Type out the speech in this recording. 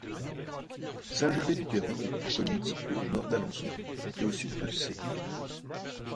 Saint-Gervais-du-Perron est une commune située à au nord d'Alençon et au sud de Sées.